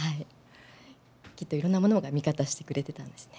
きっといろんなものが味方してくれてたんですね。